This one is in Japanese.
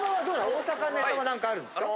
大阪のネタは何かあるんですか？